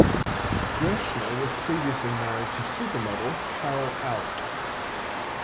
Greschner was previously married to supermodel Carol Alt.